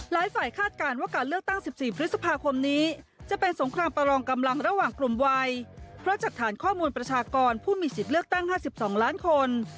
หลายฝ่ายคาดการณ์ว่าการเลือกตั้ง๑๔พฤษภาคมนี้จะเป็นสงครามประรองกำลังระหว่างกลุ่มวัยเพราะจากฐานข้อมูลประชากรผู้มีสิทธิ์เลือกตั้ง๕๒ล้านคน